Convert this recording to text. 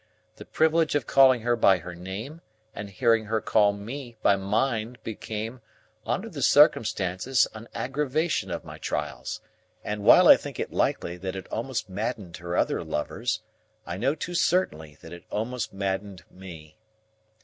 The privilege of calling her by her name and hearing her call me by mine became, under the circumstances an aggravation of my trials; and while I think it likely that it almost maddened her other lovers, I know too certainly that it almost maddened me.